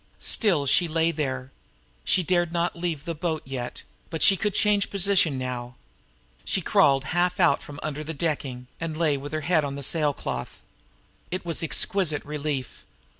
Still she lay there. She dared not leave the boat yet; but she could change her position now. She crawled half out from under the docking, and lay with her head on the sailcloth. It was exquisite relief!